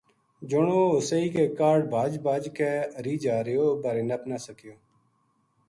جنو ہوسئی کے کاہڈ بھَج بھَج کے ہری جا رہیو بارے نپ نا سکیو